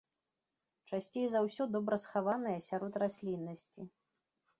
Часцей за ўсё добра схаванае сярод расліннасці.